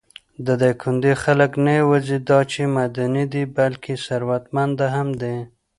د دايکندي خلک نه یواځې دا چې معدني دي، بلکې ثروتمنده هم دي.